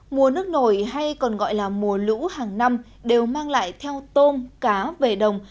mùa nước nổi hay còn gọi là mùa lũ hàng năm đều mang lại theo tôm cá về đồng